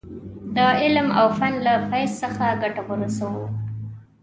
د علم او فن له فیض څخه ګټه ورسوو.